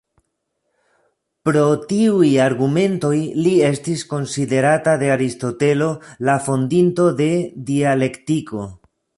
Pro tiuj argumentoj li estis konsiderata de Aristotelo la fondinto de dialektiko.